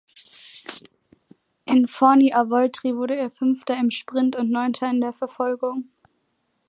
In Forni Avoltri wurde er Fünfter im Sprint und Neunter in der Verfolgung.